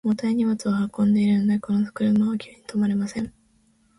重たい荷物を積んでいるので、この車は急に止まれません。